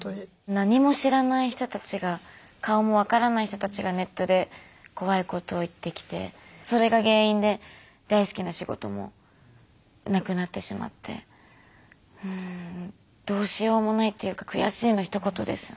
何も知らない人たちが顔も分からない人たちがネットで怖いことを言ってきてそれが原因で大好きな仕事もなくなってしまってうんどうしようもないっていうか悔しいのひと言ですよね。